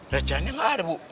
recahannya enggak ada bu